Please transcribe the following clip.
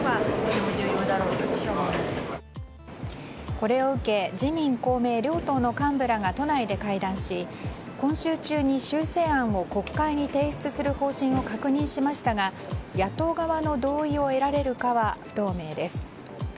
これを受け自民・公明両党の幹部らが都内で会談し今週中に修正案を国会に提出する方針を確認しましたが野党側の同意を得られるかは不透明です。